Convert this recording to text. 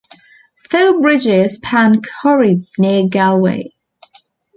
Four bridges span Corrib near Galway.